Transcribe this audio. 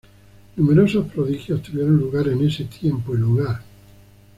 Numerosos prodigios tuvieron lugar en ese tiempo y lugar.